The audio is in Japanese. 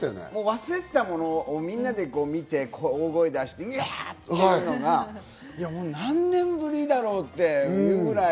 忘れてたものをみんなで見て大声出してっていうのが何年ぶりだろうっていうぐらい。